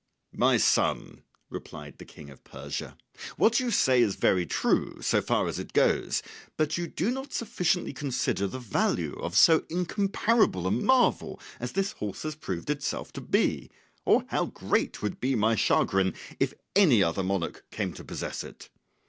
"My son," replied the King of Persia, "what you say is very true, so far as it goes; but you do not sufficiently consider the value of so incomparable a marvel as this horse has proved itself to be, or how great would be my chagrin if any other monarch came to possess it.